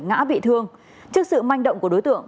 ngã bị thương trước sự manh động của đối tượng